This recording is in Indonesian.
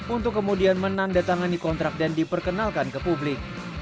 untuk kemudian menandatangani kontrak dan diperkenalkan ke publik